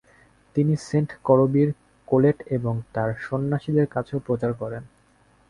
তিনি সেন্ট করবির কোলেট এবং তার সন্ন্যাসীদের কাছেও প্রচার করেন।